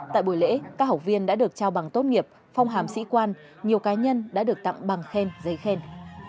tại buổi lễ các học viên đã được trao bằng tốt nghiệp phong hàm sĩ quan nhiều cá nhân đã được tặng bằng khen giấy khen